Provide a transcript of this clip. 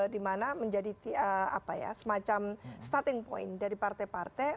dimana menjadi semacam starting point dari partai partai